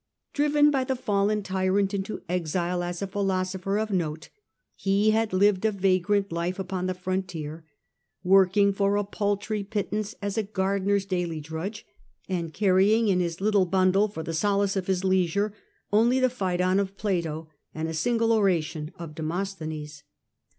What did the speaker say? Driven by Danube ap* the fallen tyrant into exile as a philosopher of note, he had lived a vagrant life upon the SOSlOl.l. frontier, working for a paltry pittance as a gardenePs daily drudge, and carrying in his little bundle for the solace of his leisure only the Phaedon of Plato and a single oration of Demosthenes.